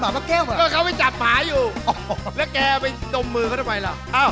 มันปลาแก้วเหมือนก็เขาไปจัดหมาอยู่แล้วแกไปดมมือเขาทำไมล่ะอ้าว